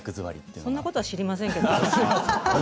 そんなことは知りません。